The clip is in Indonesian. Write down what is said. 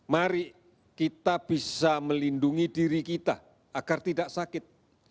mari kita bisa melindungi diri kita agar tidak sakit